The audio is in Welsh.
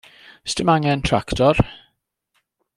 'S dim angen tractor.